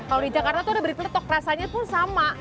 kalau di jakarta tuh ada berita letok rasanya pun sama